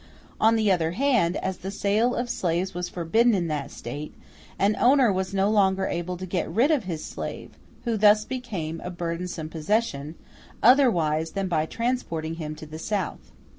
On the other hand, as the sale of slaves was forbidden in that State, an owner was no longer able to get rid of his slave (who thus became a burdensome possession) otherwise than by transporting him to the South.